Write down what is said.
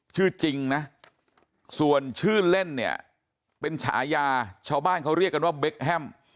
จริงนะส่วนชื่อเล่นเนี่ยเป็นฉายาชาวบ้านเขาเรียกกันว่าเบคแฮม